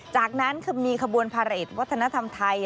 จากนั้นคือมีขบวนพาเรทวัฒนธรรมไทย